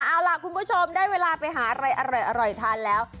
เอาล่ะคุณผู้ชมได้เวลาไปหาอะไรอร่อยทานแล้ว